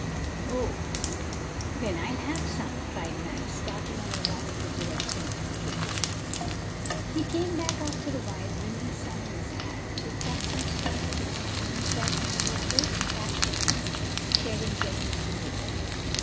"Oh, then I'll have some!" cried Max, starting on a run in the direction indicated. He came back after a while bringing some in his hat, picked up some stones, and seating himself near the others, cracked his nuts, sharing generously with them.